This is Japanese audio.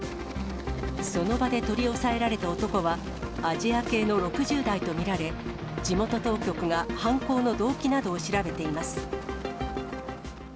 その場で取り押さえられた男は、アジア系の６０代と見られ、地元当局が犯行の動機などを調べています。